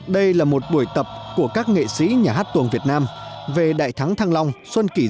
đây là một buổi tập của các nghệ sĩ nhà hát tuồng việt nam về đại thắng thăng long xuân kỷ rậu một nghìn bảy trăm tám mươi bảy